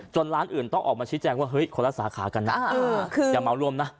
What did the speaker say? ร้านอื่นต้องออกมาชี้แจงว่าเฮ้ยคนละสาขากันนะอย่าเมาร่วมนะ